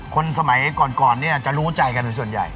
คนสมัยก่อนเนี่ยจะรู้ใจกันเป็นส่วนใหญ่